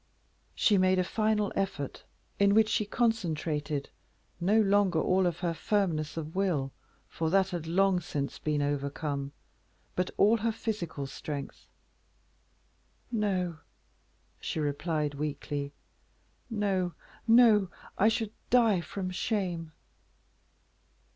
She made a final effort, in which she concentrated, no longer all of her firmness of will, for that had long since been overcome, but all her physical strength. "No!" she replied, weakly, "no! no! I should die from shame."